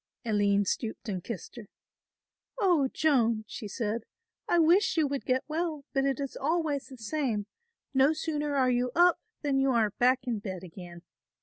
Aline stooped and kissed her. "Oh, Joan," she said, "I wish you would get well, but it is always the same, no sooner are you up than you are back in bed again.